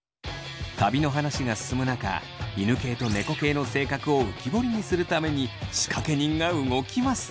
旅の話が進む中犬系と猫系の性格を浮き彫りにするために仕掛け人が動きます！